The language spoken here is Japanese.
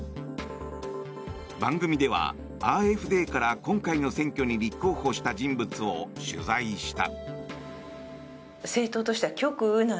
番組ではＡｆＤから今回の選挙に立候補した人物を取材した。